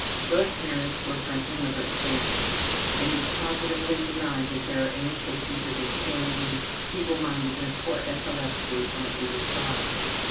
Both parents were from immigrant families. It is positively denied that there are any cases of insanity, feeblemindedness, or epilepsy on either side.